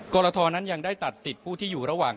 กรทนั้นยังได้ตัดสิทธิ์ผู้ที่อยู่ระหว่าง